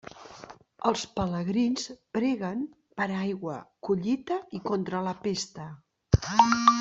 Els pelegrins preguen per aigua, collita i contra la pesta.